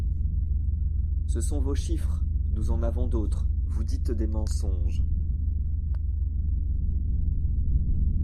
Ce sont vos chiffres ! Nous en avons d’autres !Vous dites des mensonges.